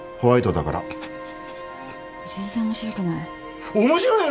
全然面白くない。